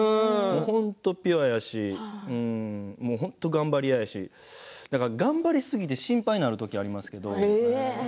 本当にピュアだし本当に頑張り屋だし頑張りすぎて心配になる時ありますけど。